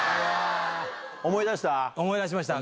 思い出した？